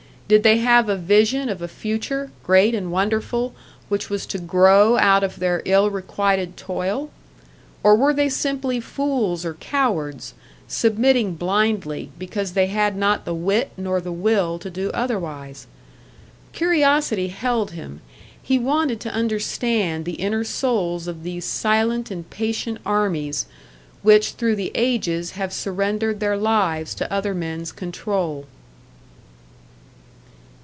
Did they have a vision of a future, great and wonderful, which was to grow out of their ill requited toil? Or were they simply fools or cowards, submitting blindly, because they had not the wit nor the will to do otherwise? Curiosity held him, he wanted to understand the inner souls of these silent and patient armies which through the ages have surrendered their lives to other men's control.